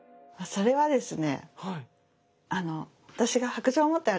それはですね